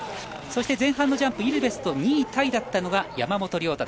そして、前半のジャンプでイルベスと同じ２位タイだった山本。